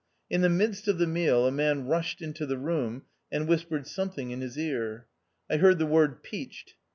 In the midst of the meal a man rushed into the room and whispered something in his ear. I heard the word "peached."